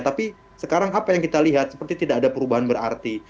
tapi sekarang apa yang kita lihat seperti tidak ada perubahan berarti